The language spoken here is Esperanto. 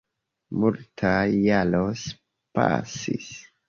Multaj jaros pasis.